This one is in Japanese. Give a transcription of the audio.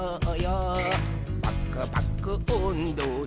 「パクパクおんどで」